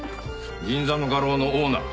銀座の画廊のオーナー。